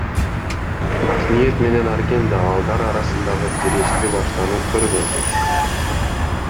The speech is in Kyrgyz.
Акниет менен Арген да балдар арасындагы тирешти баштан өткөргөн.